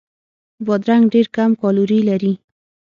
بادرنګ ډېر کم کالوري لري.